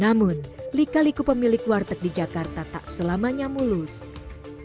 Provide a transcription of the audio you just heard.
namun lika liku pemilik warteg di jakarta tak selamanya mulus